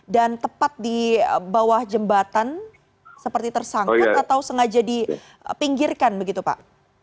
dan tepat di bawah jembatan seperti tersangkut atau sengaja dipinggirkan begitu pak